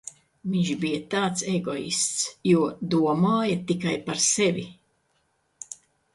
Viņš bija tāds egoists, jo domāja tikai par sevi